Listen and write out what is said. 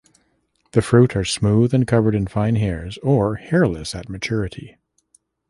The fruit are smooth and covered in fine hairs or hairless at maturity.